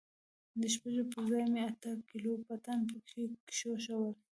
د شپږو پر ځاى مې اته کيلو پټن پکښې کښېښوول.